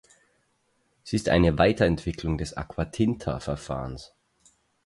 Sie ist eine Weiterentwicklung des Aquatinta-Verfahrens.